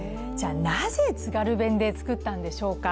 なぜ津軽弁で作ったんでしょうか。